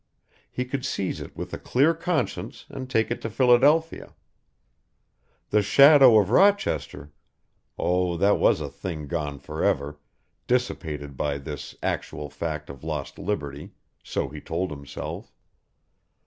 He could seize it with a clear conscience and take it to Philadelphia. The shadow of Rochester oh, that was a thing gone forever, dissipated by this actual fact of lost liberty so he told himself.